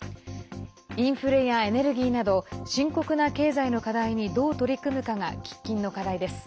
インフレやエネルギーなど深刻な経済の課題にどう取り組むかが喫緊の課題です。